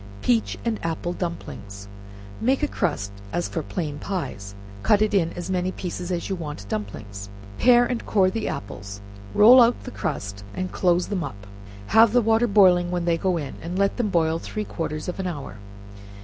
Peach and Apple Dumplings. Make crust as for plain pies, cut it in as many pieces as you want dumplings, pare and core the apples, roll out the crust, and close them up, have the water boiling when they go in, and let them boil three quarters of an hour.